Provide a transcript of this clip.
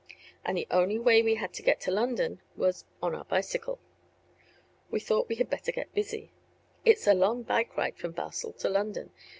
And the only way we had to get to London was on our bicycle. We thought we had better get busy. It's a long bike ride from Basel to London.